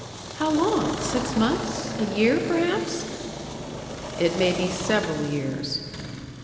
"How long? Six months? A year, perhaps?" "It may be several years."